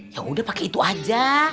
yaudah pake itu aja